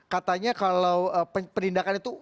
katanya kalau penindakan itu